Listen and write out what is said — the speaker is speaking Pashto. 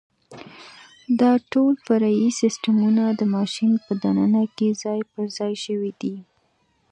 دا ټول فرعي سیسټمونه د ماشین په دننه کې ځای پرځای شوي دي.